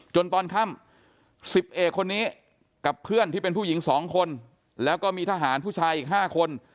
ตอนค่ำ๑๐เอกคนนี้กับเพื่อนที่เป็นผู้หญิง๒คนแล้วก็มีทหารผู้ชายอีก๕คน